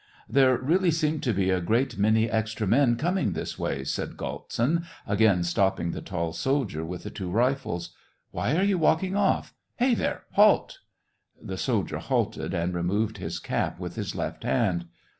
There really seem to be a great many extra men coming this way," said Galtsin, again stop ping the tall soldier with the two rifles. " Why are you walking off } Hey there, halt !" The soldier halted, and removed his cap with his left hand.